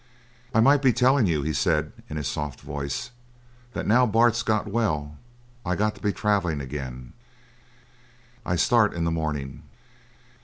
"I might be tellin' you," he said in his soft voice, "that now's Bart's well I got to be travellin' again. I start in the morning."